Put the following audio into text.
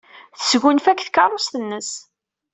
Tesgunfa deg tkeṛṛust-nnes.